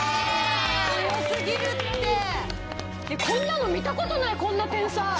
こんなの見たことないよこんな点差。